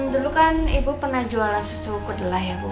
dulu kan ibu pernah jualan susu kedelai ya bu